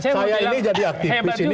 saya ini jadi aktifis gini